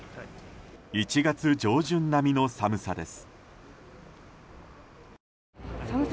１月上旬並みの寒さです。